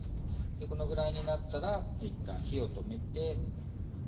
このぐらいになったら一旦火を止めて。